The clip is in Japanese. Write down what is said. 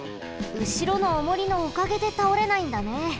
うしろのおもりのおかげでたおれないんだね。